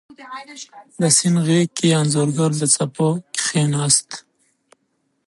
د سیند غیږ کې انځورګر د څپو کښېناست